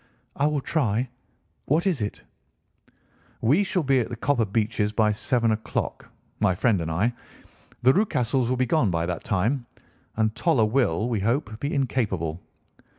"I will try. What is it?" "We shall be at the Copper Beeches by seven o'clock, my friend and I. The Rucastles will be gone by that time, and Toller will, we hope, be incapable.